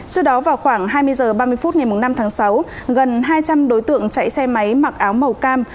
trước đó vào khoảng hai mươi h ba mươi phút ngày năm tháng sáu gần hai trăm linh đối tượng chạy xe máy mặc áo màu cam